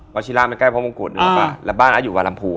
วัชิลาวันไกลไปพระมงกรมาไปแล้วบ้านอาร์ตอยู่บารมพู